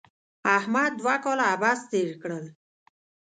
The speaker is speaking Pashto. احمد دوه کاله عبث تېر کړل.